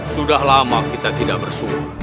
sudah lama kita tidak bersyukur